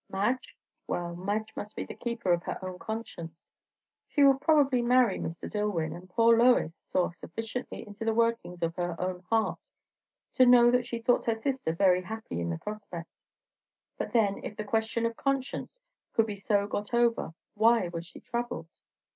Madge? Well, Madge must be the keeper of her own conscience; she would probably marry Mr. Dillwyn; and poor Lois saw sufficiently into the workings of her own heart to know that she thought her sister very happy in the prospect. But then, if the question of conscience could be so got over, why was she troubled?